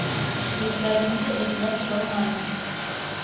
Сирпәгемде эҙләп торманым.